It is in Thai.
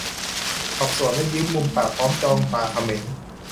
ตอบสวนแล้วยิ้มมุมปากพร้อมจ้องตาเขม็ง